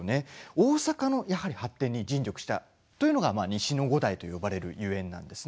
大阪のやはり発展に尽力したっていうのは西の五代といわれる、ゆえんです。